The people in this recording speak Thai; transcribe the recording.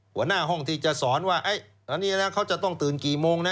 หัวหน้าห้องที่จะสอนว่าตอนนี้นะเขาจะต้องตื่นกี่โมงนะ